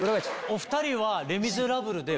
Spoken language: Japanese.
お２人は。